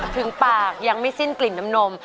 ถึงปากยังไม่สิ้นกลิ่นน้ำนม